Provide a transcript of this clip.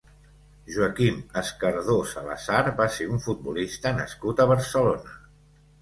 Joaquim Escardó Salazar va ser un futbolista nascut a Barcelona.